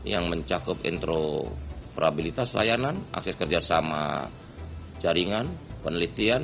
yang mencakup intro probabilitas layanan akses kerjasama jaringan penelitian